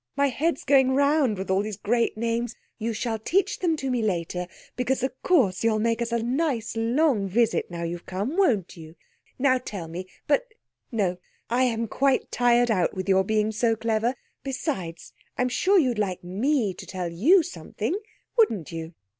"My head's going round with all those great names. You shall teach them to me later—because of course you'll make us a nice long visit now you have come, won't you? Now tell me—but no, I am quite tired out with your being so clever. Besides, I'm sure you'd like me to tell you something, wouldn't you?"